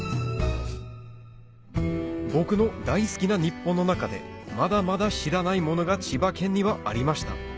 僕の大好きな日本の中でまだまだ知らないものが千葉県にはありました